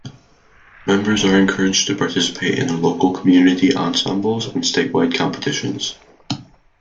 Members are encouraged to participate in local community ensembles and statewide competitions.